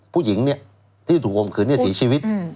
ผู้หญิงที่ถูกคมคืนเสียชีวิต